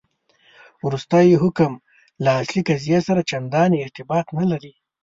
وروستی حکم له اصل قضیې سره چنداني ارتباط نه لري.